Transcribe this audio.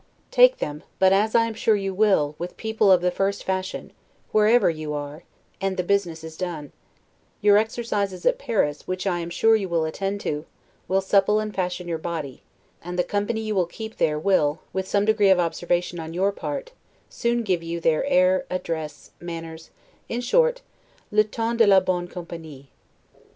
Take them, but (as I am sure you will) with people of the first fashion, whereever you are, and the business is done; your exercises at Paris, which I am sure you will attend to, will supple and fashion your body; and the company you will keep there will, with some degree of observation on your part, soon give you their air, address, manners, in short, 'le ton de la bonne compagnie'.